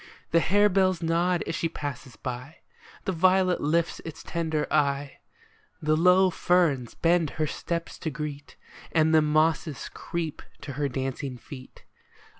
The harebells nod as she passes by, The violet lifts its tender eye, The low ferns bend her steps to greet, And the mosses creep to her dancing feet.